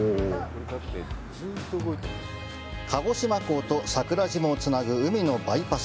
鹿児島港と桜島をつなぐ海のバイパス。